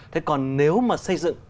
thế còn nếu mà xây dựng